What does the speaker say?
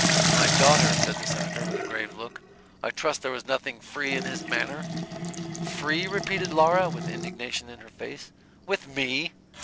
"My daughter," said the Senator, with a grave look, "I trust there was nothing free in his manner?" "Free?" repeated Laura, with indignation in her face. "With me!"